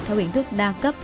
theo hình thức đa cấp